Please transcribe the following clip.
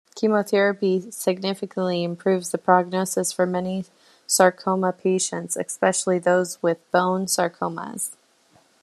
Chemotherapy significantly improves the prognosis for many sarcoma patients, especially those with bone sarcomas.